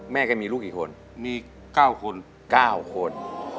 แม่ก็มีลูกกี่คนมี๙คนคุณหมุนช่วย๕๒ครับแม่ก็มีลูกกี่คนมี๙คน